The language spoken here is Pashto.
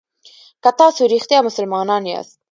که تاسو رښتیا مسلمانان یاست.